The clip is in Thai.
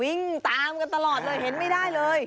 วิ่งตามกันตลอดเลยเห็นไม่ได้เลย